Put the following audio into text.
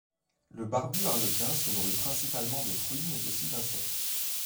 Le Barbu arlequin se nourrit principalement de fruits mais aussi d'insectes.